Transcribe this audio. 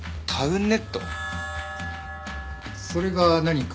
それが何か？